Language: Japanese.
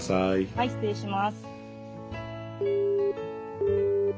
はい失礼します。